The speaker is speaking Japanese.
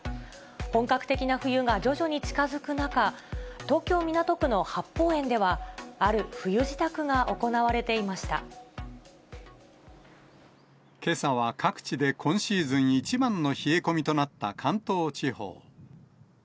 本格的な冬が徐々に近づく中、東京・港区の八芳園では、けさは、各地で今シーズン一番の冷え込みとなった関東地方。